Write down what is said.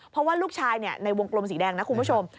เพราะว่าลูกชายในวงกลมสีแดงนะคุณผู้ชม